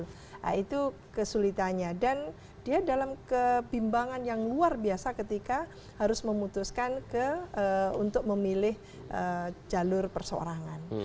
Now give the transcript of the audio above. nah itu kesulitannya dan dia dalam kebimbangan yang luar biasa ketika harus memutuskan untuk memilih jalur perseorangan